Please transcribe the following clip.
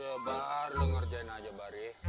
aduh bar lu ngerjain aja bari